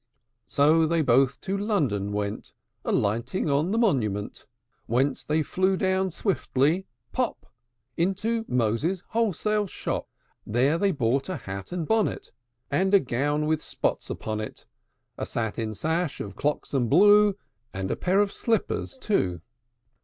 VI. So they both to London went, Alighting on the Monument; Whence they flew down swiftly pop! Into Moses' wholesale shop: There they bought a hat and bonnet, And a gown with spots upon it, A satin sash of Cloxam blue, And a pair of slippers too.